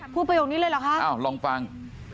พูดประโยคนี้เลยเหรอคะลองฟัง